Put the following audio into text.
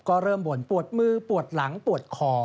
ก็เริ่มบ่นปวดมือปวดหลังปวดคอ